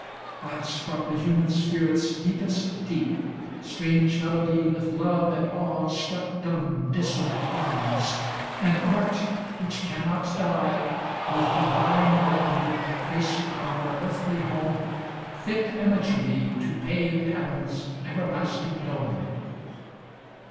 Whilst from the human spirit's deepest deep, Strange melody with love and awe struck dumb Dissonant arms ; and Art, which cannot die, With divine wand traced on our earthly home Fit imagery to pave heaven's everlasting dome.